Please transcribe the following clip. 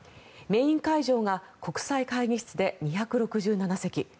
メイン会場が国際会議室で２６７席